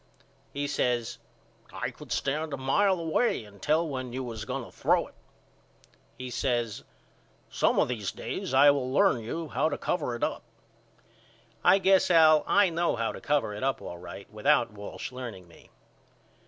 He says I could stand a mile away and tell when you was going to throw it. He says Some of these days I will learn you how to cover it up. I guess Al I know how to cover it up all right without Walsh learning me.